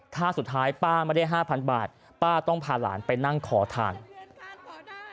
ถ้าสุดท้ายป้าไม่ได้๕๐๐บาทป้าต้องพาหลานไปนั่งขอทาน